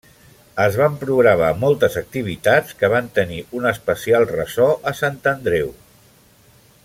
Es van programar moltes activitats que van tenir un especial ressò a Sant Andreu.